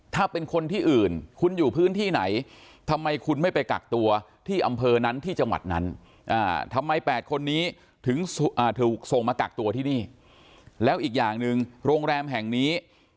ถ้าเป็นคนที่อื่นคุณอยู่พื้นที่ไหนทำไมคุณไม่ไปกักตัวที่อำเภอนั้นที่จังหวัดนั้นทำไม๘คนนี้ถึงถูกส่งมากักตัวที่นี่แล้วอีกอย่างหนึ่งโรงแรมแห่งนี้